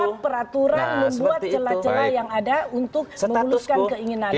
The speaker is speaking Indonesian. membuat peraturan membuat celah celah yang ada untuk memuluskan keinginannya